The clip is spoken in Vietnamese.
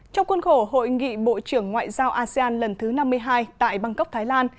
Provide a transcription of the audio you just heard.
trong khuôn khổ hội nghị bộ trưởng ngoại giao asean lần thứ năm mươi hai tại bangkok thái lan